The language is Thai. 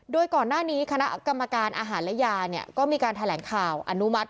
โดยก่อนหน้านี้คณะกรรมการอาหารและยาเนี่ยก็มีการแถลงข่าวอนุมัติ